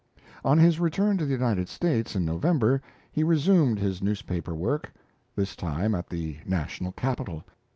On his return to the United States in November, he resumed his newspaper work, this time at the National Capital.